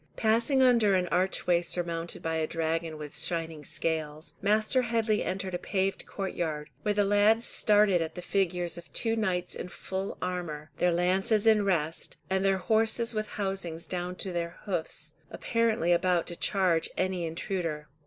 Passing under an archway surmounted by a dragon with shining scales, Master Headley entered a paved courtyard, where the lads started at the figures of two knights in full armour, their lances in rest, and their horses with housings down to their hoofs, apparently about to charge any intruder.